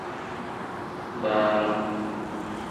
Baaloo.